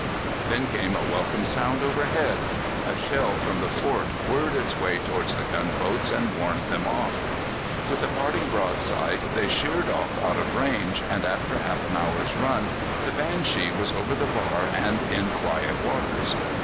Then came a welcome sound overhead. A shell from the fort whirred its way towards the gunboats and warned them off. With a parting broadside they sheered off out of range, and after half an hour's run the Banshee was over the bar and in quiet waters.